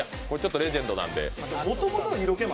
レジェンドなので。